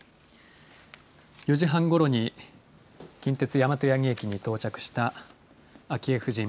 ４時半ごろに、近鉄大和八木駅に到着した昭恵夫人。